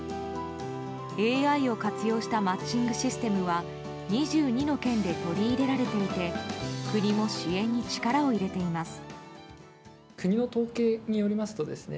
ＡＩを活用したマッチングシステムは２２の県で取り入れられていて国も支援に力を入れています。